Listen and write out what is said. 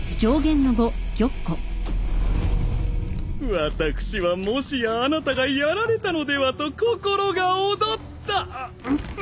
私はもしやあなたがやられたのではと心が躍ったあっ。